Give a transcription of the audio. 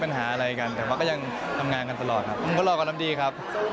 เป็นไงบ้างอาจจะแสดงล่ะ